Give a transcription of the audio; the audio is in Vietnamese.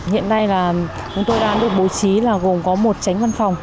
hiện nay là chúng tôi đang được bố trí là gồm có một tránh văn phòng